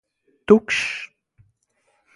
Tukšs!